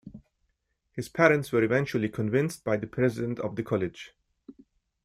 His parents were eventually convinced by the president of the college.